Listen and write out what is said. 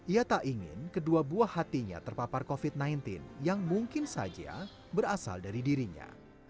ia tak ingin kedua buah hatinya terpapar covid sembilan belas yang mungkin saja berasal dari dirinya